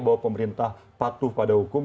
bahwa pemerintah patuh pada hukum